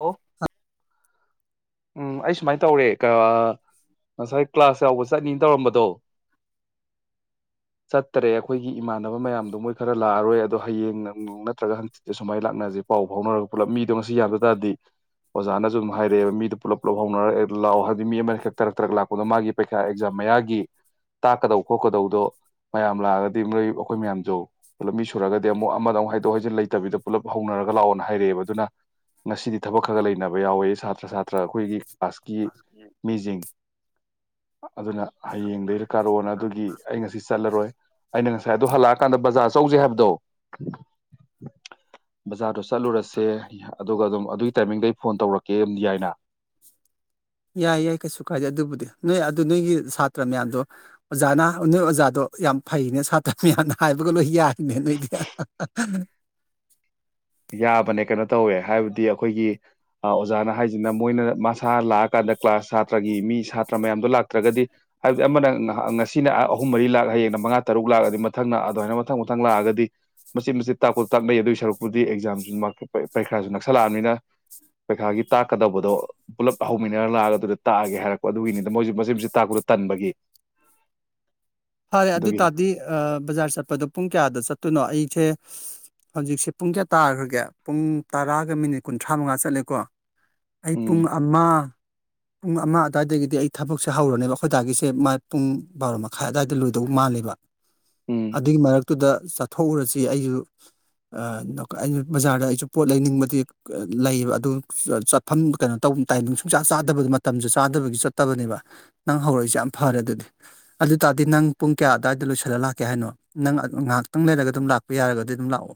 ꯑꯣ ꯎꯝ ꯑꯩ ꯁꯨꯃꯥꯏꯅ ꯇꯧꯔꯦ ꯀꯥ ꯉꯁꯥꯏ ꯀ꯭ꯂꯥꯁ ꯌꯥꯎꯕ ꯆꯠꯅꯤꯅ ꯇꯧꯔꯝꯕꯗꯣ ꯆꯠꯇꯔꯦ ꯑꯩꯈꯣꯏꯒꯤ ꯏꯃꯥꯟꯅꯕ ꯃꯌꯥꯝꯗꯣ ꯃꯣꯏ ꯈꯔ ꯂꯥꯛꯑꯔꯣꯏ ꯑꯗꯣ ꯍꯌꯦꯡꯅ ꯅꯣꯡ ꯅꯠꯇ꯭ꯔꯒ ꯍꯪꯆꯤꯠꯁꯦ ꯁꯨꯃꯥꯏꯅ ꯂꯥꯛꯅꯁꯦ ꯄꯥꯎ ꯐꯥꯎꯅꯔꯒ ꯄꯨꯂꯞ ꯃꯤꯗꯣ ꯉꯁꯤ ꯌꯥꯗ ꯇꯥꯔꯗꯤ ꯑꯣꯖꯥꯅꯁꯨ ꯑꯗꯨꯝ ꯍꯥꯏꯔꯛꯑꯦꯕ ꯃꯤꯗꯣ ꯄꯨꯂꯞ ꯄꯨꯂꯞ ꯍꯧꯅꯔ ꯑꯦ ꯂꯥꯛꯑꯣ ꯍꯥꯏꯕꯗꯤ ꯃꯤ ꯑꯃꯅ ꯍꯦꯛ ꯇꯔꯛ ꯇꯔꯛ ꯂꯥꯛꯄꯗꯣ ꯃꯥꯒꯤ ꯄꯩꯈꯥ ꯑꯦꯛꯖꯥꯝ ꯃꯌꯥꯒꯤ ꯇꯥꯛꯀꯗꯧ ꯈꯣꯠꯀꯗꯧꯗꯣ ꯃꯌꯥꯝ ꯂꯥꯛꯑꯒꯗꯤ ꯃꯣꯏ ꯑꯩꯈꯣꯏ ꯃꯌꯥꯝꯁꯨ ꯄꯨꯂꯞ ꯃꯤ ꯁꯨꯔꯒꯗꯤ ꯑꯃꯨꯛ ꯑꯃꯗ ꯑꯃꯨꯛ ꯍꯥꯏꯗꯣꯛ ꯍꯥꯢꯖꯤꯟ ꯂꯩꯇꯕꯤꯗ ꯄꯨꯂꯞ ꯍꯧꯅꯔꯒ ꯂꯥꯛꯑꯣꯅ ꯍꯥꯏꯔꯛꯑꯦꯕ ꯑꯗꯨꯅ ꯉꯁꯤꯗꯤ ꯊꯕꯛ ꯈꯔ ꯂꯩꯅꯕ ꯌꯥꯎꯋꯦ ꯁꯥꯇ꯭ꯔ ꯁꯥꯇ ꯇ꯭ꯔꯥ ꯑꯩꯈꯣꯏꯒꯤ ꯀ꯭ꯂꯥꯁꯀꯤ ꯃꯤꯁꯤꯡ ꯑꯗꯨꯅ ꯍꯌꯦꯡꯗꯩꯔ ꯀꯥꯔꯛꯑꯣꯅ ꯑꯗꯨꯒꯤ ꯑꯩ ꯉꯥꯁꯤ ꯆꯠꯂꯔꯣꯏ ꯑꯩꯅ ꯉꯁꯥꯏ ꯑꯗꯨ ꯍꯜꯂꯛ ꯀꯥꯟꯗ ꯕꯖꯥꯔ ꯆꯧꯁꯦ ꯍꯥꯏꯕꯗꯣ ꯕꯖꯥꯔꯗꯣ ꯆꯠꯂꯨꯔꯁꯦ ꯑꯗꯨꯒ ꯑꯗꯨꯝ ꯑꯗꯨꯒꯤ ꯇꯥꯏꯃꯤꯡꯗ ꯑꯩ ꯐꯣꯟ ꯇꯧꯔꯛꯀꯦ ꯌꯥꯏꯅ ꯌꯥꯏ ꯌꯥꯏ ꯀꯩꯁꯨ ꯀꯥꯏꯗꯦ ꯑꯗꯨꯕꯨꯗꯤ ꯅꯣꯏ ꯑꯗꯨ ꯅꯣꯏꯒꯤ ꯁꯥꯇ꯭ꯔ ꯃꯌꯥꯝꯗꯣ ꯑꯣꯖꯥꯅ ꯅꯣꯏ ꯑꯣꯖꯥꯗꯣ ꯌꯥꯝ ꯐꯩꯅꯦ ꯁꯥꯇ꯭ꯔ ꯈꯨꯌꯥꯝꯅ ꯍꯥꯏꯕꯒ ꯂꯣꯏ ꯌꯥꯏꯅꯦ ꯅꯣꯏꯗꯤ ꯑꯍꯥ ꯍꯥ ꯍꯤ ꯌꯥꯕꯅꯦ ꯀꯩꯅꯣ ꯇꯧꯋꯦ ꯍꯥꯏꯕꯗꯤ ꯑꯩꯈꯣꯏꯒꯤ ꯑꯣꯖꯥꯅ ꯍꯥꯏꯁꯤꯅ ꯃꯣꯏꯅ ꯃꯥꯁ ꯁꯥꯔ ꯂꯥꯛꯑꯀꯥꯟꯗ ꯀ꯭ꯂꯥꯁ ꯁꯥꯇ꯭ꯔꯒꯤ ꯃꯤ ꯁꯥꯇ꯭ꯔ ꯃꯌꯥꯝꯗꯣ ꯂꯥꯛꯇ꯭ꯔꯒꯗꯤ ꯍꯥꯏꯕꯗꯤ ꯑꯃꯅ ꯉꯥꯁꯤꯅ ꯑꯍꯨꯝ ꯃꯔꯤ ꯂꯥꯛ ꯍꯌꯦꯡꯅ ꯃꯉꯥ ꯇꯔꯨꯛ ꯂꯥꯛꯑꯗꯤ ꯃꯊꯪꯅ ꯑꯗꯨꯃꯥꯏꯅ ꯃꯊꯪ ꯃꯊꯪ ꯂꯥꯛꯑꯒꯗꯤ ꯃꯆꯦꯠ ꯃꯆꯦꯠ ꯇꯥꯛꯄ ꯇꯥꯛꯅꯩ ꯑꯗꯨꯒꯤ ꯁꯔꯨꯛ ꯕꯨꯗꯤ ꯑꯦꯛꯖꯥꯝꯁꯨ ꯄꯔꯤꯈꯥꯁꯨ ꯅꯛꯁꯜꯂꯛꯑꯕꯅꯤꯅ ꯄꯔꯤꯈꯥꯒꯤ ꯇꯥꯛꯀꯗꯧꯕꯗꯣ ꯄꯨꯜꯂꯞ ꯍꯧꯃꯤꯟꯅꯔ ꯂꯥꯛꯑꯒ ꯑꯗꯨꯗ ꯇꯥꯛꯑꯒꯦ ꯍꯥꯏꯔꯛꯄ ꯑꯗꯨꯒꯤꯅꯤꯗ ꯃꯣꯏꯖꯨ ꯃꯆꯤꯠ ꯃꯆꯤꯠ ꯇꯥꯛꯄꯗ ꯇꯟꯕꯒꯤ ꯐꯔꯦ ꯑꯗꯨ ꯑꯗꯨꯒꯤꯅꯤ ꯇꯥꯔꯗꯤ ꯕꯖꯥꯔ ꯆꯠꯄꯗꯣ ꯄꯨꯡ ꯀꯌꯥꯗ ꯆꯠꯇꯣꯏꯅꯣ ꯑꯩꯁꯦ ꯍꯧꯖꯤꯛꯁꯦ ꯄꯨꯡ ꯀꯌꯥ ꯇꯥꯈ꯭ꯔꯒꯦ ꯄꯨꯡ ꯇꯔꯥꯒ ꯃꯤꯅꯤꯠ ꯀꯨꯟꯊ꯭ꯔꯥ ꯃꯉꯥ ꯆꯠꯂꯦꯀꯣ ꯑꯩ ꯎꯝ ꯄꯨꯡ ꯑꯃ ꯄꯨꯡ ꯑꯃ ꯑꯗꯨꯋꯥꯏꯗ ꯒꯤꯗꯤ ꯑꯩ ꯊꯕꯛꯁꯦ ꯍꯧꯔꯅꯦꯕ ꯑꯩꯈꯣꯏ ꯗꯥꯒꯤꯁꯦ ꯃꯥꯢ ꯄꯨꯡ ꯕꯥꯔꯣ ꯃꯈꯥꯏ ꯑꯗꯋꯥꯏ ꯗ ꯂꯣꯏꯗꯧ ꯃꯥꯜꯂꯦꯕ ꯎꯝ ꯑꯗꯨꯒꯤ ꯃꯔꯛꯇꯨꯗ ꯆꯠꯊꯣꯛꯎꯔꯁꯤ ꯑꯩꯁꯨ ꯑ ꯑꯩꯁꯨ ꯕꯖꯥꯔꯗ ꯑꯩꯁꯨ ꯄꯣꯠ ꯂꯩꯅꯤꯡꯕꯗꯤ ꯂꯩꯕ ꯑꯗꯨ ꯆꯠꯐꯝ ꯀꯩꯅꯣ ꯇꯧ ꯇꯥꯏꯃꯤꯡ ꯁꯨꯡꯆꯥ ꯆꯥꯗꯕꯗ ꯃꯇꯝꯁꯨ ꯆꯥꯗꯕꯒꯤ ꯆꯠꯇꯕꯅꯦꯕ ꯅꯪ ꯍꯧꯔꯛꯏꯁꯦ ꯌꯥꯝ ꯐꯔꯦ ꯑꯗꯨꯗꯤ ꯑꯗꯨꯇꯥ ꯗꯤ ꯅꯪ ꯄꯨꯡ ꯀꯌꯥ ꯑꯗꯋꯥꯏꯗ ꯂꯣꯏꯁꯜꯂ ꯂꯥꯛꯀꯦ ꯍꯥꯏꯅꯣ ꯅꯪ ꯉꯥꯏꯍꯥꯛꯇꯪ ꯂꯩꯔꯒ ꯑꯗꯨꯝ ꯂꯥꯛꯄ ꯌꯥꯔꯒꯗꯤ ꯑꯗꯨꯝ ꯂꯥꯛꯑꯣ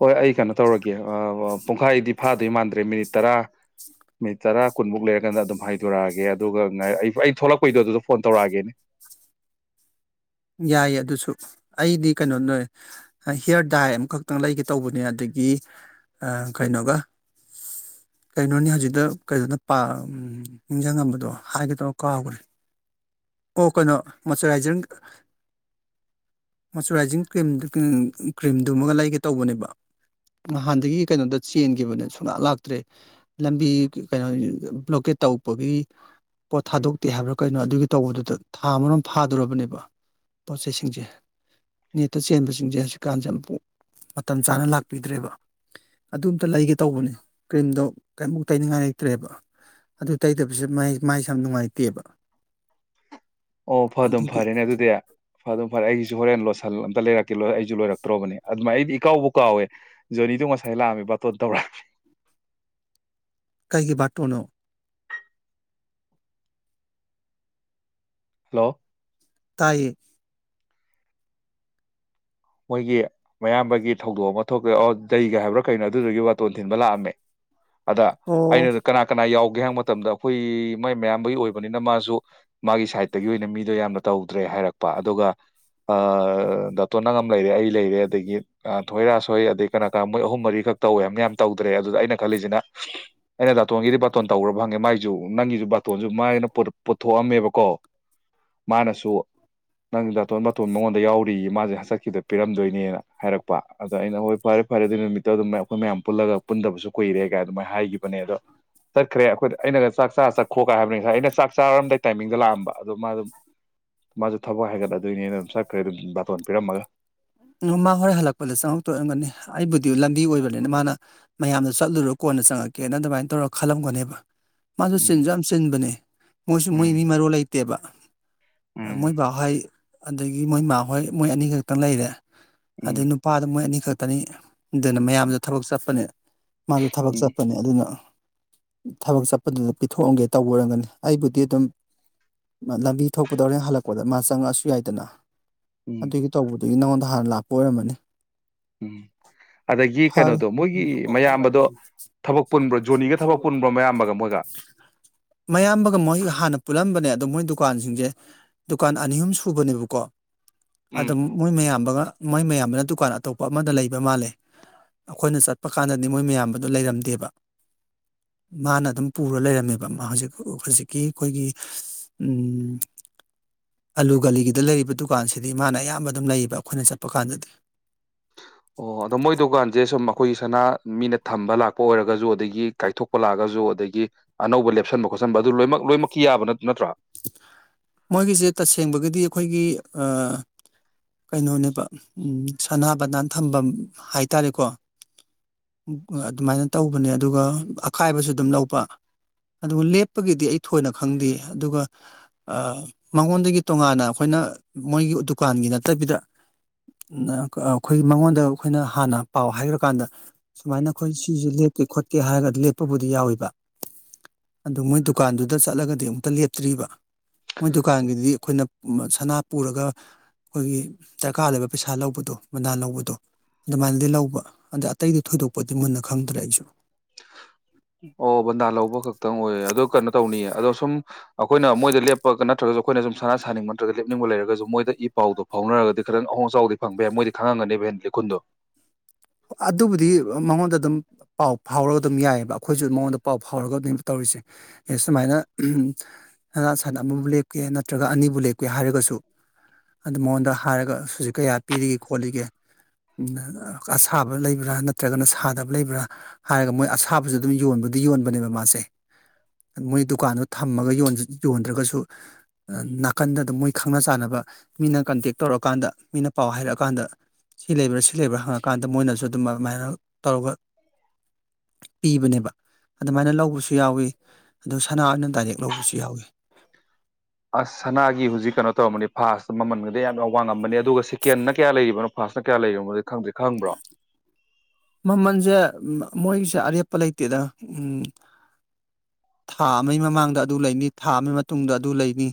ꯍꯣꯏ ꯑꯩ ꯀꯩꯅꯣ ꯇꯧꯔꯒꯦ ꯑꯥ ꯄꯨꯡꯈꯥꯏꯗꯤ ꯐꯥꯗꯣꯏ ꯃꯥꯟꯗ꯭ꯔꯦ ꯃꯤꯅꯤꯠ ꯇꯔꯥ ꯃꯤꯅꯤꯠ ꯇꯔꯥ ꯀꯨꯟꯃꯨꯛ ꯂꯩꯔꯀꯥꯟꯗ ꯑꯗꯨꯝ ꯍꯥꯏꯗꯣꯔꯛꯑꯒꯦ ꯑꯗꯨꯒ ꯑꯩ ꯊꯣꯛꯂꯛꯄꯩꯗꯣ ꯑꯗꯨꯗ ꯐꯣꯟ ꯇꯧꯔꯛꯑꯒꯦꯅꯦ ꯌꯥꯏꯌꯦ ꯑꯗꯨꯁꯨ ꯑꯩꯗꯤ ꯀꯩꯅꯣ ꯅꯣꯏ ꯍꯤꯌꯥꯔ ꯗꯥꯏ ꯑꯃꯈꯛꯇꯪ ꯂꯩꯒꯦ ꯇꯧꯕꯅꯦ ꯑꯗꯒꯤ ꯑ ꯀꯩꯅꯣꯒ ꯀꯩꯅꯣꯅꯤ ꯍꯧꯖꯤꯛꯗ ꯀꯩꯅꯣꯅꯄꯥ ꯅꯤꯡꯁꯤꯡꯉꯝꯕꯗꯣ ꯍꯥꯏꯒꯦ ꯊꯧꯔ ꯀꯥꯎꯈ꯭ꯔꯦ ꯑꯣ ꯀꯩꯅꯣ ꯃꯣꯏꯆꯔꯥꯏꯖꯔ ꯃꯣꯏꯆꯨꯔꯥꯏꯖꯤꯡ ꯀ꯭ꯔꯤꯝ ꯀ꯭ꯔꯤꯝꯗꯨꯃꯒ ꯂꯩꯒꯦ ꯇꯧꯕꯅꯦꯕ ꯅꯍꯥꯟꯗꯒꯤ ꯀꯩꯅꯣꯗ ꯆꯦꯟꯈꯤꯕꯅꯦ ꯁꯨꯡꯂꯥꯛ ꯂꯥꯛꯇ꯭ꯔꯦ ꯂꯝꯕꯤ ꯀꯩꯅꯣ ꯕ꯭ꯂꯣꯀꯦꯠ ꯇꯧꯕꯒꯤ ꯄꯣꯠ ꯊꯥꯗꯣꯛꯇꯦ ꯍꯥꯏꯕ꯭ꯔꯥ ꯀꯩꯅꯣ ꯑꯗꯨꯒꯤ ꯇꯧꯕꯗꯨꯗ ꯊꯥ ꯑꯃꯔꯣꯝ ꯐꯥꯗꯣꯔꯕꯅꯦꯕ ꯄꯣꯠ ꯆꯩꯁꯤꯡꯁꯦ ꯅꯦꯠꯇ ꯆꯦꯟꯕꯁꯤꯡꯁꯦ ꯍꯧꯖꯤꯛꯀꯥꯟꯁꯦ ꯑꯃꯨꯛ ꯃꯇꯝ ꯆꯥꯅ ꯂꯥꯛꯄꯤꯗ꯭ꯔꯦꯕ ꯑꯗꯨ ꯑꯝꯇ ꯂꯩꯒꯦ ꯇꯧꯕꯅꯦ ꯀ꯭ꯔꯤꯝꯗꯣ ꯀꯦꯝꯃꯨꯛ ꯇꯩꯅꯤꯡꯉꯥꯏ ꯂꯩꯇ꯭ꯔꯦꯕ ꯑꯗꯨ ꯇꯩꯗꯕꯁꯦ ꯃꯥꯢꯁꯦ ꯃꯥꯏꯁꯦ ꯌꯥꯝ ꯅꯨꯡꯉꯥꯏꯇꯦꯕ ꯑꯣ ꯐꯗꯨꯝ ꯑꯗꯨꯒꯤ ꯐꯔꯦꯅꯦ ꯑꯗꯨꯗꯤ ꯐꯗꯨꯝ ꯐꯔꯦ ꯑꯩꯒꯤꯁꯨ ꯍꯣꯔꯦꯟ ꯂꯣꯠꯁꯟ ꯑꯃꯇ ꯂꯩꯔꯛꯀꯦ ꯂꯣꯏ ꯑꯩꯁꯨ ꯂꯣꯏꯔꯛꯇ꯭ꯔꯣꯕꯅꯦ ꯑꯗꯨꯃꯥꯏ ꯑꯩꯗꯤ ꯏꯀꯥꯎꯕꯨ ꯀꯥꯎꯋꯦ ꯖꯣꯅꯤꯗꯣ ꯉꯁꯥꯏ ꯂꯥꯛꯑꯝꯃꯦꯕ ꯕꯥꯇꯣꯟ ꯇꯧꯔꯛꯑꯝꯃꯦ ꯀꯩꯒꯤ ꯕꯥꯇꯣꯟꯅꯣ ꯍꯜꯂꯣ ꯇꯥꯏꯌꯦ ꯃꯣꯏꯒꯤ ꯃꯌꯥꯝꯕꯒꯤ ꯊꯧꯗꯣꯛ ꯑꯃ ꯊꯣꯛꯇꯣꯢ ꯑꯣ ꯖꯩꯒ ꯍꯥꯏꯕ꯭ꯔꯥ ꯀꯩꯅꯣ ꯑꯗꯨꯗꯨꯒꯤ ꯕꯥꯇꯣꯟ ꯊꯤꯟꯕ ꯂꯥꯛꯑꯝꯃꯦ ꯑꯗ ꯑꯣ ꯑꯩꯅ ꯀꯅꯥ ꯀꯅꯥ ꯌꯥꯎ ꯒꯦ ꯍꯥꯏ ꯃꯇꯝꯗ ꯑꯩꯈꯣꯏ ꯃꯣꯏ ꯃꯌꯥꯝꯕꯒꯤ ꯑꯣꯏꯕꯅꯤꯅ ꯃꯥꯁꯨ ꯃꯥꯒꯤ ꯁꯥꯏꯠꯇꯒꯤ ꯑꯣꯏꯅ ꯃꯤꯗꯣ ꯌꯥꯝꯅ ꯇꯧꯗ꯭ꯔꯦ ꯍꯥꯏꯔꯛꯄ ꯑꯗꯨꯒ ꯑ ꯗꯥꯇꯣꯟ ꯅꯪ ꯅꯪ ꯂꯩꯔꯦ ꯑꯩ ꯂꯩꯔꯦ ꯑꯗꯒꯤ ꯊꯣꯏꯔꯥꯥꯁꯣꯏ ꯑꯗꯒꯤ ꯀꯅꯥ ꯀꯅꯥ ꯃꯣꯏ ꯑꯍꯨꯝ ꯃꯔꯤꯈꯛ ꯇꯧꯋꯦ ꯍꯥꯏ ꯃꯌꯥꯝ ꯇꯧꯗ꯭ꯔꯦ ꯑꯗꯨꯗ ꯑꯩꯅ ꯈꯜꯂꯤꯁꯤꯅ ꯑꯩꯅ ꯗꯥꯇꯣꯟꯒꯤꯗꯤ ꯕꯥꯇꯣꯟ ꯇꯧꯈ꯭ꯔꯕ ꯍꯪꯉꯦ ꯃꯒꯤꯁꯨ ꯅꯪꯒꯤꯁꯨ ꯕꯥꯇꯣꯟꯁꯨ ꯃꯅ ꯄꯨꯊꯣꯛꯑꯝꯃꯦꯕꯀꯣ ꯃꯥꯅꯁꯨ ꯅꯪꯒꯤ ꯗꯥꯇꯣꯟ ꯕꯥꯇꯣꯟ ꯃꯉꯣꯟꯗ ꯌꯥꯎꯔꯤꯌꯦ ꯃꯥꯁꯦ ꯆꯠꯍꯟ ꯁꯤꯗ ꯄꯤꯔꯝꯗꯣꯏꯅꯦꯅ ꯍꯥꯏꯔꯛꯄ ꯑꯗꯣ ꯑꯩꯅ ꯍꯣꯏ ꯐꯔꯦ ꯐꯔꯦ ꯑꯗꯨ ꯅꯨꯃꯤꯠꯇꯣ ꯑꯗꯨꯝ ꯑꯩꯈꯣꯏ ꯃꯌꯥꯝ ꯄꯨꯜꯂꯒ ꯄꯨꯟꯗꯕꯁꯨ ꯀꯨꯏꯔꯦ ꯀꯥꯏꯅ ꯑꯗꯨꯃꯥꯏꯅ ꯍꯥꯏꯈꯤꯕꯅꯦ ꯑꯗꯣ ꯆꯠꯈ꯭ꯔꯦ ꯑꯩꯈꯣꯏꯗ ꯑꯩꯅꯒ ꯆꯥꯛ ꯆꯥꯔ ꯆꯠꯈꯣꯒ ꯍꯥꯏꯕꯅꯤ ꯉꯁꯥꯏ ꯑꯩꯅ ꯆꯥꯛ ꯆꯥꯔꯝꯗꯥꯏ ꯇꯥꯏꯃꯤꯡꯗ ꯂꯥꯛꯑꯝꯕ ꯑꯗꯣ ꯃꯥ ꯑꯗꯨꯝ ꯃꯥꯁꯨ ꯊꯕꯛ ꯍꯥꯏꯒꯠꯂꯗꯣꯏꯅꯦꯅ ꯑꯗꯨꯝ ꯆꯠꯈ꯭ꯔꯦ ꯑꯗꯨꯝ ꯕꯥꯇꯣꯟ ꯄꯤꯔꯝꯃꯒ ꯎ ꯃꯥ ꯍꯣꯔꯦꯟ ꯍꯜꯂꯛꯄꯗ ꯆꯪꯉꯛꯇꯣꯏꯔꯝꯒꯅꯤ ꯑꯩꯕꯨꯗꯤ ꯂꯝꯕꯤ ꯑꯣꯏꯕꯅꯤꯅ ꯃꯥꯅ ꯃꯌꯥꯝꯗ ꯆꯠꯂꯨꯔꯣ ꯀꯣꯟꯅ ꯆꯪꯉꯛꯀꯦꯅ ꯑꯗꯨꯃꯥꯏꯅ ꯇꯧꯔ ꯈꯜꯂꯝꯒꯅꯦꯕ ꯃꯥꯁꯨ ꯎꯝ ꯆꯤꯟꯁꯨ ꯌꯥꯝ ꯆꯤꯟꯕꯅꯦ ꯃꯣꯏꯁꯨ ꯃꯣꯏ ꯎꯝ ꯃꯤ ꯃꯔꯨ ꯂꯩꯇꯦꯕ ꯎꯝ ꯃꯣꯏ ꯕꯥ ꯍꯣꯏ ꯑꯗꯒꯤ ꯃꯣꯏ ꯃꯥ ꯍꯣꯏ ꯃꯣꯏ ꯑꯅꯤꯈꯛ ꯇꯂꯩꯔꯦ ꯎꯝ ꯑꯗꯩ ꯅꯨꯄꯥꯗ ꯃꯣꯏ ꯑꯅꯤꯈꯛ ꯉꯥꯛꯇꯅꯤ ꯑꯗꯨꯅ ꯃꯌꯥꯝꯗ ꯊꯕꯛ ꯆꯠꯄꯅꯦ ꯃꯥꯗ ꯊꯕꯛ ꯎꯝ ꯆꯠꯄꯅꯦ ꯑꯗꯨꯅ ꯊꯕꯛ ꯆꯠꯄꯗꯨꯗ ꯄꯤꯊꯣꯛꯑꯝꯒꯦ ꯇꯧꯕ ꯑꯣꯏꯔꯝꯒꯅꯤ ꯑꯩꯕꯨꯗꯤ ꯑꯗꯨꯝ ꯂꯝꯕꯤ ꯊꯣꯛꯄꯗꯧꯔꯦ ꯍꯜꯂꯛꯄꯗ ꯃꯥ ꯆꯪꯉꯛꯑꯁꯨ ꯌꯥꯏꯗꯅ ꯎꯝ ꯗꯒꯤ ꯅꯉꯣꯟꯗ ꯍꯥꯟꯅ ꯂꯥꯛꯄ ꯑꯣꯏꯔꯝꯝꯕꯅꯤ ꯎꯝ ꯑꯗꯒꯤ ꯐꯔꯦ ꯀꯩꯅꯣꯗꯣ ꯃꯣꯏꯒꯤ ꯃꯌꯥꯝꯕꯗꯣ ꯊꯕꯛ ꯄꯨꯟꯕ꯭ꯔꯣ ꯖꯣꯅꯤꯒ ꯊꯕꯛ ꯄꯨꯟꯕ꯭ꯔꯣ ꯃꯌꯥꯝꯕꯒ ꯃꯣꯏꯒ ꯃꯌꯥꯝꯕꯒ ꯃꯣꯏ ꯍꯥꯟꯅ ꯄꯨꯜꯂꯝꯕꯅꯦ ꯑꯗꯣ ꯃꯣꯏ ꯗꯨꯀꯥꯟꯁꯤꯡꯁꯦ ꯗꯨꯀꯥꯟ ꯑꯅꯤ ꯑꯍꯨꯝ ꯁꯨꯕꯅꯦꯕꯀꯣ ꯎꯝ ꯑꯗꯣ ꯃꯣꯏ ꯃꯌꯥꯝꯕꯒ ꯃꯣꯏ ꯃꯌꯥꯝꯕꯅ ꯗꯨꯀꯥꯟ ꯑꯇꯣꯞꯄ ꯑꯃꯗ ꯂꯩꯕ ꯃꯥꯜꯂꯦ ꯑꯩꯈꯣꯏꯅ ꯆꯠꯄ ꯀꯥꯟꯗꯗꯤ ꯃꯣꯏ ꯃꯌꯥꯝꯗ ꯂꯩꯔꯝꯗꯦꯕ ꯃꯥꯅ ꯑꯗꯨꯝ ꯄꯨꯔ ꯂꯩꯔꯝꯃꯦꯕ ꯍꯧꯖꯤꯛ ꯍꯧꯖꯤꯛꯀꯤ ꯑꯩꯈꯣꯏꯒꯤ ꯑꯂꯨ ꯒꯂꯤꯒꯤꯗ ꯂꯩꯔꯤꯕ ꯗꯨꯀꯥꯟꯁꯤꯗꯤ ꯃꯥꯅ ꯑꯌꯥꯝꯕ ꯑꯗꯨꯝ ꯂꯩꯌꯦꯕ ꯑꯩꯈꯣꯏꯅ ꯆꯠꯄ ꯀꯥꯟꯗꯗꯤ ꯑꯣ ꯑꯗꯣ ꯃꯣꯏ ꯗꯨꯀꯥꯟꯁꯦ ꯁꯨꯝ ꯑꯩꯈꯣꯏꯒꯤ ꯁꯅꯥ ꯃꯤꯅ ꯊꯝꯕ ꯂꯥꯛꯄ ꯑꯣꯏꯔꯒꯁꯨ ꯑꯗꯒꯤ ꯀꯥꯏꯊꯣꯛꯄ ꯂꯥꯛꯑꯒꯁꯨ ꯑꯗꯒꯤ ꯑꯅꯧꯕ ꯂꯦꯞꯁꯟꯕ ꯈꯣꯠꯆꯟꯕ ꯑꯗꯨ ꯂꯣꯏꯅꯃꯛ ꯂꯣꯏꯅꯃꯛꯀꯤ ꯌꯥꯕ ꯅꯠꯇ꯭ꯔꯥ ꯃꯣꯏꯒꯤꯁꯦ ꯇꯁꯦꯡꯕꯒꯤꯗꯤ ꯑꯩꯈꯣꯏꯒꯤ ꯀꯩꯅꯣꯅꯦꯕ ꯁꯅꯥ ꯕꯅꯟꯙꯥꯟ ꯊꯝꯐꯝ ꯍꯥꯏꯇꯥꯔꯦꯀꯣ ꯑꯗꯨꯃꯥꯏꯅ ꯇꯧꯕꯅꯦ ꯑꯗꯨꯒ ꯑꯈꯥꯏꯕꯁꯨ ꯑꯗꯨꯝ ꯂꯧꯕ ꯑꯗꯨꯒ ꯂꯦꯞꯄꯒꯤꯗꯤ ꯑꯩ ꯊꯣꯏꯅ ꯈꯪꯗꯦ ꯑꯗꯨꯒ ꯃꯉꯣꯟꯗꯒꯤ ꯇꯣꯉꯥꯟꯅ ꯑꯩꯈꯣꯏꯅ ꯃꯣꯏꯒꯤ ꯗꯨꯀꯥꯟꯒꯤ ꯅꯠꯇꯕꯤꯗ ꯑꯩꯈꯣꯏ ꯃꯉꯣꯟꯗ ꯑꯩꯈꯣꯏꯅ ꯍꯥꯟꯅ ꯄꯥꯎ ꯍꯥꯏꯈ꯭ꯔꯀꯥꯟꯗ ꯁꯨꯃꯥꯏꯅ ꯑꯩꯈꯣꯏ ꯁꯤꯁꯦ ꯂꯦꯞꯀꯦ ꯈꯣꯠꯀꯦ ꯍꯥꯏꯔꯒꯗꯤ ꯂꯦꯞꯄꯕꯨꯗꯤ ꯌꯥꯎꯋꯕ ꯑꯗꯨ ꯃꯣꯏ ꯗꯨꯀꯥꯟꯗꯨꯗ ꯆꯠꯂꯒꯗꯤ ꯑꯃꯨꯛꯇ ꯂꯦꯞꯄ ꯇ꯭ꯔꯤꯕ ꯃꯣꯏ ꯗꯨꯀꯥꯟꯒꯤꯗꯤ ꯑꯩꯈꯣꯏꯅ ꯁꯅꯥ ꯄꯨꯔꯒ ꯑꯩꯈꯣꯏꯒꯤ ꯗꯔꯀꯥꯔꯗꯨꯗ ꯂꯩꯕ ꯄꯩꯁꯥ ꯂꯧꯕꯗꯣ ꯕꯗꯥꯟ ꯂꯧꯕꯗꯣ ꯑꯗꯨꯃꯥꯏꯅꯗꯤ ꯂꯧꯕ ꯑꯗ ꯑꯇꯩꯗꯤ ꯊꯣꯏꯗꯣꯛꯄꯗꯤ ꯃꯨꯟꯅ ꯈꯪꯗ꯭ꯔꯦ ꯑꯩꯁꯨ ꯑꯣ ꯕꯟꯗꯥ ꯂꯧꯕ ꯈꯛꯇꯪ ꯑꯣꯏꯌꯦ ꯑꯣ ꯀꯩꯅꯣ ꯇꯧꯅꯤꯌꯦ ꯑꯗꯣ ꯁꯨꯝ ꯑꯩꯈꯣꯏꯅ ꯃꯣꯏꯗ ꯂꯦꯞꯄꯒ ꯅꯠꯇ꯭ꯔꯒꯁꯨ ꯑꯩꯈꯣꯏꯅ ꯁꯨꯝ ꯁꯥꯟꯅꯥ ꯁꯥꯅꯤꯡꯕ ꯅꯠꯇ꯭ꯔꯒ ꯂꯦꯞꯅꯤꯡꯕ ꯂꯩꯔꯒꯁꯨ ꯃꯣꯏꯗ ꯏ ꯄꯥꯎꯗꯣ ꯐꯥꯎꯅꯔꯒꯗꯤ ꯈꯤꯇꯪ ꯑꯍꯣꯡ ꯑꯆꯥꯎꯗꯤ ꯐꯪꯕ ꯌꯥꯏ ꯃꯣꯏꯗꯤ ꯈꯪꯉꯝꯒꯅꯦꯕ ꯍ ꯂꯤꯈꯨꯟꯗꯣ ꯑꯗꯨꯕꯨꯗꯤ ꯃꯉꯣꯟꯗ ꯑꯗꯨꯝ ꯄꯥꯎ ꯐꯥꯎꯔꯒ ꯑꯗꯨꯝ ꯌꯥꯏꯑꯕ ꯑꯩꯈꯣꯏꯁꯨ ꯃꯉꯣꯟꯗ ꯄꯥꯎ ꯐꯥꯎꯔꯒ ꯑꯗꯨꯃ ꯇꯧꯔꯤꯁꯦ ꯑꯦ ꯁꯨꯃꯥꯏꯅ ꯁꯅꯥ ꯁꯟ ꯑꯃꯕꯨ ꯂꯦꯞꯀꯦ ꯅꯠꯇ꯭ꯔꯒ ꯑꯅꯤꯕꯨ ꯂꯦꯞꯀꯦ ꯍꯥꯏꯔꯒꯁꯨ ꯑꯗꯨ ꯃꯉꯣꯟꯗ ꯍꯥꯏꯔꯒ ꯍꯧꯖꯤ ꯀꯌꯥ ꯄꯤꯔꯤꯒꯦ ꯈꯣꯠꯂꯤꯒꯦ ꯑꯁꯥꯕ ꯂꯩꯕ꯭ꯔꯥ ꯅꯠꯇ꯭ꯔꯒꯅ ꯁꯥꯗꯕ ꯂꯩꯕ꯭ꯔꯥ ꯍꯥꯏꯔꯒ ꯃꯣꯏ ꯑꯁꯥꯕꯁꯨ ꯑꯗꯨꯝ ꯌꯣꯟꯕꯗꯤ ꯌꯣꯟꯕꯅꯦꯕ ꯃꯥꯁꯦ ꯃꯣꯏ ꯗꯨꯀꯥꯟꯗꯣ ꯊꯝꯃꯒ ꯌꯣꯟꯗ꯭ꯔꯒꯁꯨ ꯅꯥꯀꯟꯗ ꯑꯗꯨꯝ ꯃꯣꯏ ꯈꯪꯅ ꯆꯥꯟꯅꯕ ꯃꯤꯅ ꯀꯟꯇꯦꯛ ꯇꯧꯔꯛꯑꯀꯥꯟꯗ ꯃꯤꯅ ꯄꯥꯎ ꯍꯥꯏꯔꯛꯑꯀꯥꯟꯗ ꯁꯤ ꯂꯩꯕ꯭ꯔꯥ ꯁꯤ ꯂꯩꯕ꯭ꯔꯥ ꯍꯪꯉꯛꯄ ꯀꯀꯥꯟꯗ ꯃꯣꯏꯅꯁꯨ ꯑꯗꯨꯝ ꯑꯗꯨꯃꯥꯏꯅ ꯇꯧꯕ ꯄꯤꯕꯅꯦꯕ ꯑꯗꯨꯃꯥꯏꯅ ꯂꯧꯕꯁꯨ ꯌꯥꯎꯋꯤ ꯑꯗꯣ ꯁꯅꯥꯅ ꯗꯥꯏꯔꯦꯛ ꯂꯧꯕꯁꯨ ꯌꯥꯎꯋꯤ ꯐꯥꯁ ꯃꯃꯟꯒꯗꯤ ꯌꯥꯝꯅ ꯋꯥꯡ ꯉꯝꯕ ꯑ ꯑꯗꯨꯒ ꯁꯤꯀꯦꯟꯅ ꯀꯌꯥ ꯂꯩꯔꯤꯕꯅꯣ ꯐꯁꯇꯥ ꯀꯌꯥ ꯂꯩꯔꯝꯒ ꯈꯪꯗ꯭ꯦ ꯈꯪꯕ꯭ꯔꯣ ꯁꯦ ꯃꯣꯏꯁꯦ ꯑꯔꯦꯞꯄ ꯂꯩꯇꯦꯗ ꯎꯝ ꯊꯥ ꯑꯃꯒꯤ ꯃꯃꯥꯡꯗ ꯑꯗꯨ ꯂꯩꯅꯤ ꯊꯥ ꯑꯃꯒꯤ ꯃꯇꯨꯡꯗ ꯑꯗꯨ ꯂꯩꯅꯤ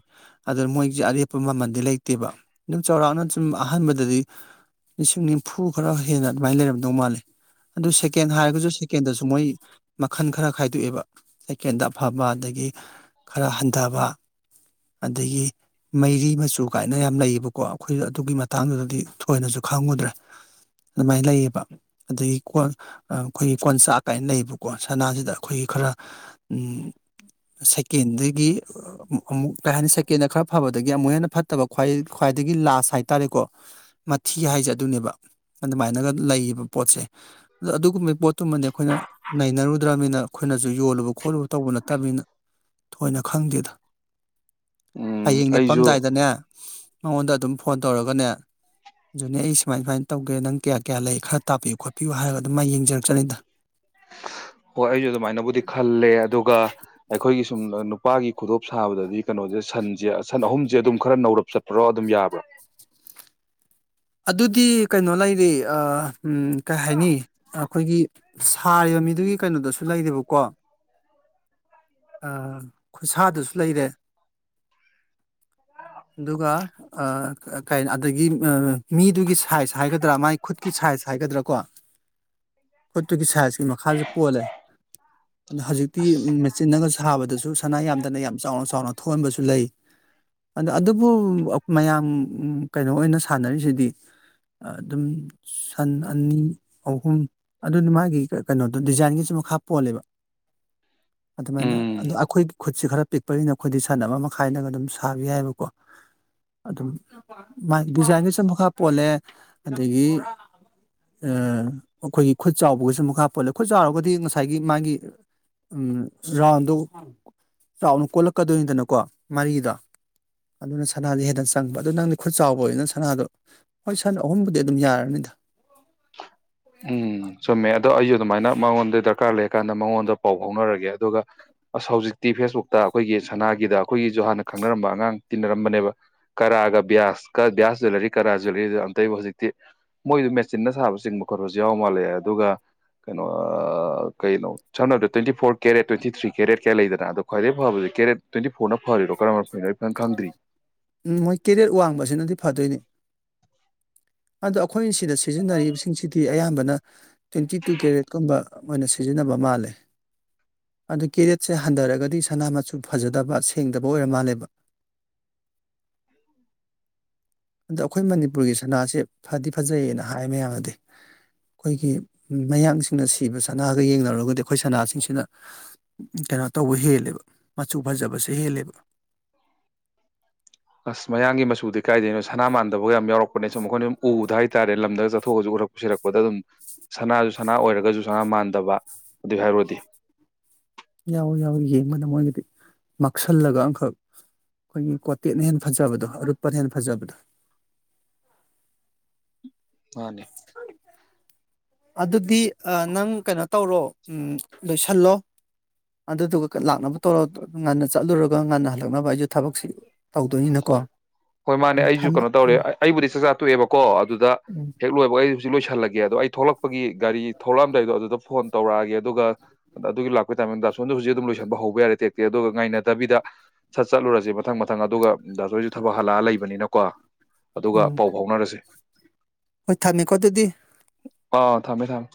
ꯑꯗꯨ ꯃꯣꯏꯒꯤꯁꯦ ꯑꯔꯦꯞꯄ ꯃꯃꯜꯗꯤ ꯂꯩꯇꯦꯕ ꯑꯗꯨꯝ ꯆꯥꯎꯔꯥꯛꯅ ꯁꯨꯝ ꯑꯍꯥꯟꯕꯗꯗꯤ ꯂꯤꯁꯤꯡ ꯅꯤꯐꯨ ꯈꯔ ꯍꯦꯟꯅ ꯑꯗꯨꯃꯥꯏꯅ ꯂꯩꯔꯝꯗꯧ ꯃꯥꯜꯂꯦ ꯑꯗꯨ ꯁꯦꯀꯦꯟ ꯍꯥꯏꯔꯒꯁꯨ ꯁꯦꯀꯦꯟꯗꯁꯨ ꯃꯣꯏ ꯃꯈꯜ ꯈꯔ ꯈꯥꯏꯗꯣꯛꯑꯦꯕ ꯑꯩ ꯀꯦꯟꯗ ꯐꯕ ꯑꯗꯩꯒꯤ ꯈꯔ ꯍꯟꯊꯕ ꯑꯗꯩꯒꯤ ꯃꯩꯔꯤ ꯃꯆꯨ ꯀꯥꯏꯅ ꯌꯥꯝ ꯂꯩꯌꯦꯕꯀꯣ ꯑꯩꯈꯣꯏ ꯑꯗꯨꯒꯤ ꯃꯇꯥꯡꯗꯨꯗꯗꯤ ꯊꯣꯏꯅꯁꯨ ꯈꯪꯉꯨꯗ꯭ꯔꯦ ꯑꯗꯩꯃꯥꯏꯅ ꯂꯩꯌꯦꯕ ꯑꯗꯒꯤ ꯀꯣꯟ ꯑꯩꯈꯣꯏꯒꯤ ꯀꯣꯟꯆꯥꯛ ꯀꯥꯏꯅ ꯂꯩꯕꯀꯣ ꯁꯅꯥꯁꯤꯗ ꯑꯩꯈꯣꯏꯒꯤ ꯈꯔ ꯁꯦꯟꯀꯦꯟꯗꯒꯤ ꯑꯃꯨꯛ ꯀꯩ ꯍꯥꯏꯅꯤ ꯁꯦꯀꯦꯟꯗ ꯈꯔ ꯐꯕꯗꯒꯤ ꯑꯃꯨꯛ ꯍꯦꯟꯅ ꯐꯠꯇꯕ꯭ꯋꯥꯏ ꯈ꯭ꯋꯥꯏꯗꯒꯤ ꯂꯥꯁ ꯍꯥꯏꯇꯥꯔꯦꯀꯣ ꯃꯊꯤ ꯍꯥꯏꯁꯦ ꯑꯗꯨꯅꯦꯕ ꯑꯗꯨꯃꯥꯏꯅꯒ ꯂꯩꯌꯦꯕ ꯄꯣꯠꯁꯦ ꯑꯗ ꯑꯗꯨꯒꯨꯝꯕꯒꯤ ꯄꯣꯠꯇꯨꯃꯅꯦ ꯑꯩꯈꯣꯏꯅ ꯅꯩꯅꯔꯨꯗ꯭ꯔꯅꯤꯅ ꯑꯩꯈꯣꯏꯅꯁꯨ ꯌꯣꯜꯂꯨꯕ ꯇꯧꯕ ꯅꯠꯇꯕꯅꯤꯅ ꯊꯣꯏꯅ ꯈꯪꯗꯦꯗ ꯎꯝ ꯍꯌꯦꯡ ꯑꯩꯁꯨ ꯂꯦꯞꯄꯝꯗꯥꯏꯗꯅꯦ ꯃꯉꯣꯟꯗ ꯑꯗꯨꯝ ꯐꯣꯟ ꯇꯧꯔꯒꯅꯦ ꯅꯦꯅꯦ ꯑꯩ ꯁꯨꯃꯥꯏ ꯁꯨꯃꯥꯏꯅ ꯇꯧꯒꯦ ꯅꯪ ꯀꯌꯥ ꯀꯌꯥ ꯂꯩ ꯈꯔ ꯇꯥꯕꯤꯌꯨ ꯈꯣꯠꯄꯤꯌꯨ ꯍꯥꯏꯔꯒ ꯑꯗꯨꯝꯥꯏꯅ ꯌꯦꯡꯖꯔꯛꯆꯅꯤꯗ ꯑꯣ ꯑꯩꯁꯨ ꯑꯗꯨꯃꯥꯏꯅꯕꯨꯗꯤ ꯈꯜꯂꯦ ꯑꯗꯨꯒ ꯑꯩꯈꯣꯏꯒꯤ ꯁꯨꯝ ꯅꯨꯄꯥꯒꯤ ꯈꯨꯗꯣꯞ ꯁꯥꯕꯗꯗꯤ ꯀꯩꯅꯣꯁꯦ ꯁꯟꯁꯦ ꯁꯟ ꯑꯍꯨꯝꯁꯦ ꯑꯗꯨꯝ ꯈꯔ ꯅꯧꯔꯞ ꯆꯠꯄ꯭ꯔꯣ ꯑꯗꯨꯝ ꯌꯥꯕ꯭ꯔꯣ ꯑꯗꯨꯗꯤ ꯀꯩꯅꯣ ꯂꯩꯔꯦ ꯀꯩ ꯍꯥꯏꯅꯤ ꯑꯩꯈꯣꯏꯒꯤ ꯁꯥꯔꯤꯕ ꯃꯤꯗꯨꯒꯤ ꯀꯩꯅꯣꯗꯁꯨ ꯂꯩꯔꯦꯕꯀꯣ ꯑꯥ ꯈꯨꯠꯁꯥꯗꯁꯨ ꯂꯩꯔꯦ ꯑꯗꯨꯒ ꯑꯥ ꯑꯗꯒꯤ ꯃꯤꯗꯨꯒꯤ ꯁꯥꯏꯖ ꯍꯥꯏꯒꯗ꯭ꯔꯥ ꯃꯥꯏ ꯈꯨꯠꯀꯤ ꯁꯥꯏꯖ ꯍꯥꯏꯒꯗ꯭ꯔꯥ ꯀꯣ ꯈꯨꯠꯇꯨꯒꯤ ꯁꯥꯏꯖ ꯃꯈꯥꯥꯁꯨ ꯄꯣꯜꯂꯦ ꯑꯗꯣ ꯍꯧꯖꯤꯛꯇꯤ ꯑꯁ ꯃꯦꯆꯤꯟꯅꯒ ꯁꯥꯕꯗꯁꯨ ꯁꯅꯥ ꯌꯥꯝꯗꯅ ꯌꯥꯝ ꯆꯥꯎꯅ ꯆꯥꯎꯅ ꯊꯣꯛꯍꯟꯕꯁꯨ ꯂꯩ ꯑꯗ ꯑꯗꯨꯕꯨ ꯃꯌꯥꯝ ꯀꯩꯅꯣ ꯑꯣꯏꯅ ꯁꯥꯟꯅꯔꯤꯁꯤꯗꯤ ꯑꯗꯨꯝ ꯁꯟ ꯑꯅꯤ ꯑꯍꯨꯝ ꯑꯗꯨꯅ ꯃꯥꯒꯤ ꯀꯩꯅꯣꯗꯣ ꯗꯤꯖꯥꯏꯟꯒꯤꯁꯨ ꯃꯈꯥ ꯄꯣꯜꯂꯦꯕ ꯑꯗꯨꯃꯥꯏꯅ ꯎꯝ ꯑꯗꯨ ꯑꯩꯈꯣꯏꯒꯤ ꯈꯨꯠꯁꯦ ꯈꯔ ꯄꯤꯛꯄꯅꯤꯅ ꯑꯩꯈꯣꯏꯗꯤ ꯁꯟ ꯑꯃ ꯃꯈꯥꯏꯅꯒ ꯑꯗꯨꯝ ꯁꯥꯕ ꯌꯥꯏꯑꯕꯀꯣ ꯑꯗꯨꯝ ꯗꯤꯖꯥꯏꯟꯒꯤꯁꯨ ꯃꯈꯥ ꯄꯣꯜ ꯑꯗꯒꯤ ꯑꯥ ꯑꯩꯈꯣꯏꯒꯤ ꯈꯨꯠ ꯆꯥꯎꯕꯒꯤꯁꯨ ꯃꯈꯥ ꯄꯣꯜꯂꯦ ꯈꯨꯠ ꯆꯥꯎꯔꯒꯗꯤ ꯉꯁꯥꯏꯒꯤ ꯃꯥꯒꯤ ꯎꯝ ꯔꯥꯎꯟꯗꯣ ꯆꯥꯎꯅ ꯀꯣꯜꯂꯛꯀꯗꯣꯏꯅꯤꯗꯅꯀꯣ ꯃꯔꯤꯗꯣ ꯑꯗꯨꯅ ꯁꯅꯥꯁꯦ ꯍꯦꯟꯅ ꯆꯪꯕ ꯑꯗꯨ ꯅꯪꯗꯤ ꯈꯨꯠ ꯆꯥꯎꯕ ꯑꯣꯏꯅ ꯁꯅꯥꯗꯣ ꯍꯣꯏ ꯁꯟ ꯑꯍꯨꯝꯕꯨꯗꯤ ꯑꯗꯨꯝ ꯌꯥꯔꯅꯤꯗ ꯎꯝ ꯆꯨꯃꯦ ꯑꯗꯣ ꯑꯩꯁꯨ ꯑꯗꯨꯃꯥꯏꯅ ꯃꯉꯣꯟꯗ ꯗꯔꯀꯥꯔ ꯂꯩꯔꯀꯥꯟꯗ ꯃꯉꯣꯟꯗ ꯄꯥꯎ ꯐꯥꯎꯅꯔꯒꯦ ꯑꯗꯨꯒ ꯑꯁ ꯍꯧꯖꯤꯛꯇꯤ ꯐꯦꯁꯕꯨꯛꯇ ꯑꯩꯈꯣꯏꯒꯤ ꯁꯅꯥꯒꯤꯗ ꯑꯩꯈꯣꯏꯒꯤꯁꯨ ꯍꯥꯟꯅ ꯈꯪꯅꯔꯝꯕ ꯑꯉꯥꯡ ꯇꯤꯟꯅꯔꯝꯕꯅꯦꯕ ꯀꯔꯥꯒ ꯕꯤ꯭ꯌꯥꯁ ꯀ ꯕ꯭ꯌꯥꯁ ꯖ꯭ꯋꯦꯂꯔꯤ ꯀꯔꯥ ꯖ꯭ꯋꯦꯂꯔꯤꯗꯨ ꯑꯝꯇꯩꯩꯕꯨ ꯍꯧꯖꯤꯛꯇꯤ ꯃꯣꯏꯗꯨ ꯃꯦꯆꯤꯟꯅ ꯁꯥꯕ ꯆꯤꯡꯕ ꯀꯩꯅꯣꯁꯨ ꯌꯥꯎ ꯃꯥꯜꯂꯦ ꯑꯗꯨꯒ ꯀꯩꯅꯣ ꯑꯥ ꯀꯩꯅꯣ ꯁꯝꯅꯗꯣ twenty four carat twenty three carat ꯀꯥ ꯂꯩꯗꯅ ꯑꯗꯣ ꯈ꯭ꯋꯥꯏꯗꯩ ꯐꯕꯁꯦ ꯀꯦꯔꯦꯠ ꯇ꯭ꯋꯦꯟꯇꯤ ꯐꯣꯔꯅ ꯐꯔꯤꯔꯣ ꯀꯔꯝꯕ ꯎꯝ ꯃꯣꯏ ꯀꯦꯔꯦꯠ ꯋꯥꯡꯕꯁꯤꯅꯗꯤ ꯐꯗꯣꯏꯅꯦ ꯑꯗꯣ ꯑꯩꯈꯣꯏ ꯁꯤꯗ ꯁꯤꯖꯤꯟꯅꯔꯤꯕꯁꯤꯡꯁꯤꯗꯤ ꯑꯌꯥꯝꯕꯅ ꯇ꯭ꯋꯦꯟꯇꯤ ꯇꯨ ꯀꯦꯔꯦꯠꯀꯨꯝꯕ ꯑꯣꯏꯅ ꯁꯤꯖꯤꯟꯅꯕ ꯃꯥꯜꯂꯦ ꯑꯗꯨ ꯀꯦꯔꯦꯠꯁꯦ ꯍꯟꯊꯔꯒꯗꯤ ꯁꯅꯥ ꯃꯁꯨ ꯐꯖꯗꯕ ꯁꯦꯡꯗꯕ ꯑꯣꯏꯔ ꯃꯥꯜꯂꯦꯕ ꯑꯗꯣ ꯑꯩꯈꯣꯏ ꯃꯅꯤꯄꯨꯔꯒꯤ ꯁꯅꯥꯁꯦ ꯐꯗꯤ ꯐꯖꯩꯌꯦꯅ ꯍꯥꯏ ꯃꯌꯥꯝꯅꯗꯤ ꯑꯩꯈꯣꯏꯒꯤ ꯃꯌꯥꯡꯁꯤꯡꯅ ꯁꯤꯕ ꯁꯅꯥꯒ ꯌꯦꯡꯅꯔꯨꯔꯒꯗꯤ ꯑꯩꯈꯣꯏ ꯁꯅꯥꯁꯤꯡꯁꯤꯅ ꯀꯩꯅꯣ ꯇꯧꯕ ꯍꯦꯜꯂꯦꯕ ꯃꯆꯨ ꯐꯖꯕꯁꯦ ꯍꯦꯜꯂꯦꯕ ꯀꯥꯏꯗꯣꯏꯅꯣ ꯁꯅꯥ ꯃꯥꯟꯗꯕ ꯑꯣꯏ ꯌꯥꯝ ꯌꯥꯎꯔꯛꯄꯅꯦ ꯑꯁ ꯑꯩꯈꯣꯏꯅ ꯁꯨꯝ ꯎꯕꯗꯪꯍꯥꯢ ꯍꯥꯏꯇꯥꯔꯦ ꯂꯝꯗꯒ ꯆꯠꯊꯣꯛꯑꯒꯁꯨ ꯎꯔꯛꯄ ꯁꯤꯔꯛꯄꯗ ꯑꯗꯨꯝ ꯁꯅꯥꯁꯨ ꯁꯅꯥ ꯑꯣꯏꯔꯒꯁꯨ ꯁꯅꯥ ꯃꯥꯟꯗꯕ ꯑꯗꯨꯏ ꯍꯥꯏꯔꯨꯔꯗꯤ ꯌꯥꯎꯋꯤ ꯌꯥꯎꯋꯤ ꯌꯦꯡꯕꯗ ꯃꯣꯏꯒꯤꯗꯤ ꯃꯛꯁꯜꯂꯒ ꯑꯃꯈꯛ ꯑꯩꯈꯣꯏꯒꯤ ꯀ꯭ꯋꯥꯇꯦꯠꯅ ꯍꯦꯟꯅ ꯐꯖꯕꯗꯣ ꯑꯔꯨꯞꯄꯅ ꯍꯦꯟꯅ ꯐꯖꯕꯗꯣ ꯃꯥꯅꯦ ꯑꯗꯨꯗꯤ ꯅꯪ ꯀꯩꯅꯣ ꯇꯧꯔꯣ ꯂꯣꯏꯁꯤꯜꯂꯣ ꯑꯗꯨꯗꯨꯒ ꯂꯥꯛꯅꯕ ꯇꯧꯔꯣ ꯉꯟꯅ ꯆꯠꯂꯨꯔꯒ ꯉꯟꯅ ꯍꯜꯂꯛꯅꯕ ꯑꯩꯁꯨ ꯊꯕꯛꯁꯤ ꯇꯧꯗꯣꯏꯅꯤꯅꯀꯣ ꯑꯣ ꯍꯣꯏ ꯃꯥꯅꯦ ꯎꯝ ꯑꯩꯁꯨ ꯊꯝꯃ ꯀꯩꯅꯣ ꯇꯧꯔꯦ ꯎꯝ ꯑꯩꯕꯨꯗꯤ ꯆꯥꯛꯆꯥ ꯇꯣꯛꯑꯦꯕꯀꯣ ꯑꯗꯨꯗ ꯎꯝ ꯍꯦꯛ ꯂꯣꯏ ꯑꯩ ꯍꯧꯖꯤꯛ ꯂꯣꯏꯁꯤꯜꯂꯒꯦ ꯑꯗꯣ ꯑꯩ ꯍꯧꯖꯤꯛ ꯊꯣꯛꯂꯛꯄꯒꯤ ꯒꯥꯔꯤ ꯊꯣꯛꯂꯛꯑꯝꯗꯥꯏꯗꯣ ꯑꯗꯨꯗ ꯐꯣꯟ ꯇꯧꯔꯛꯑꯒꯦ ꯑꯗꯨꯒ ꯑꯗꯨꯒꯤ ꯂꯥꯛꯄꯒꯤ ꯇꯥꯏꯃꯤꯡꯗ ꯑꯁꯣꯝꯗ ꯍꯧꯖꯤꯛ ꯑꯗꯨꯝ ꯂꯣꯏꯁꯤꯟꯕ ꯍꯧꯕ ꯌꯥꯔꯦ ꯇꯦꯛꯇꯦꯛ ꯑꯗꯨꯒ ꯉꯥꯏꯅꯗꯕꯤꯗ ꯁꯠ ꯆꯠꯂꯨꯔꯁꯦꯕ ꯃꯊꯪ ꯃꯊꯪ ꯑꯗꯨꯒ ꯑꯗꯣꯁꯨ ꯊꯕꯛ ꯍꯜꯂꯛꯑ ꯂꯩꯕꯅꯤꯅꯀꯣ ꯑꯗꯨꯒ ꯎꯝ ꯄꯥꯎ ꯐꯥꯎꯅꯔꯁꯦ ꯍꯣꯏ ꯊꯝꯃꯦꯀꯣ ꯑꯗꯨꯗꯤ ꯑꯥ ꯊꯝꯃꯦ ꯊꯝꯃꯦ